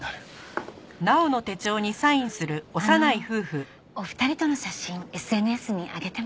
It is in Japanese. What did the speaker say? あのお二人との写真ＳＮＳに上げても？